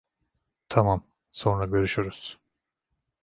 Tamam, sonra görüşürüz.